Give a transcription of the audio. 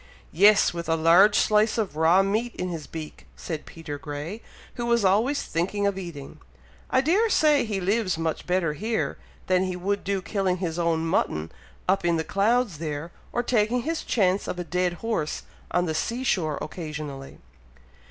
"Yes! with a large slice of raw meat in his beak!" said Peter Grey, who was always thinking of eating. "I dare say he lives much better here, than he would do killing his own mutton up in the clouds there, or taking his chance of a dead horse on the sea shore occasionally."